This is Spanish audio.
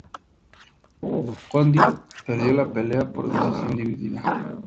Condit perdió la pelea por decisión dividida.